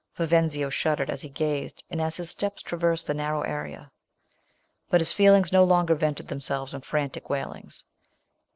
Vivenzio shuddered as he gazed, and as his steps traversed the narrowed area. But his feelings no longer vented themselves in frantic Avail ings.